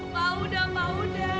papa udah papa udah